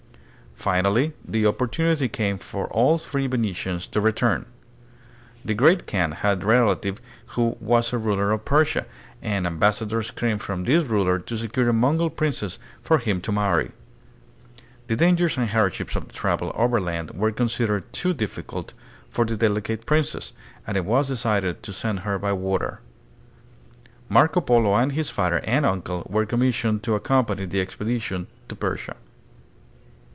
Finally the opportunity came for the three Venetians to return. The Great Kaan had a relative who was a ruler of Persia, and ambassadors came from this ruler to secure a Mongol princess for him to marry. The dangers and hardships of the travel overland were considered too EUROPE AND THE FAR EAST ABOUT 1400 A.D. 55 difficult for the delicate princess, and it was decided to send her by water. Marco Polo and his father and uncle were commissioned to accompany the expedition to Persia.